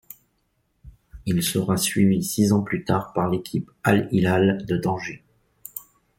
Il sera suivi six ans plus tard par l'équipe Al Hilal de Tanger.